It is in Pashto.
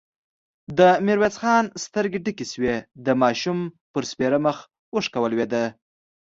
د ميرويس خان سترګې ډکې شوې، د ماشوم پر سپېره مخ اوښکه ولوېده.